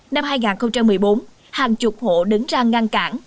năm hai nghìn một mươi bốn hàng chục hộ đứng ra ngăn cản